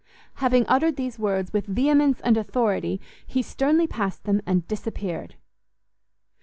Having uttered these words with vehemence and authority, he sternly passed them, and disappeared.